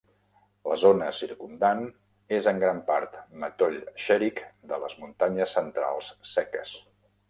La zona circumdant és en gran part, matoll xèric de les muntanyes centrals seques.